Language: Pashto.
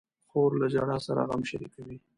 خور له ژړا سره غم شریکوي.